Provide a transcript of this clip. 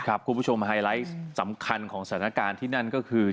คุณผู้ชมไฮไลท์สำคัญของสถานการณ์ที่นั่นก็คือ